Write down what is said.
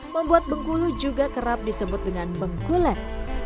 membuat bungkulu juga kerap disebut dengan bungkuler